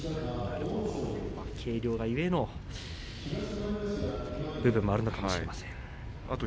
軽量が故の部分があるかもしれません。